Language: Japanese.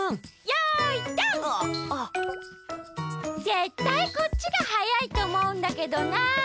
ぜったいこっちがはやいとおもうんだけどな。